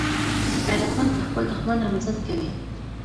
غیرتمند د خپل دښمن هم عزت کوي